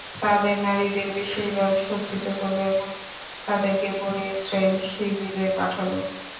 তাদের নারীদের বিশেষভাবে সজ্জিত করল এবং তাদেরকে বনী ইসরাঈল শিবিরে পাঠাল।